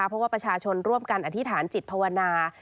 เพราะว่าประชาชนร่วมกันอธิษฐานจิตภาวนา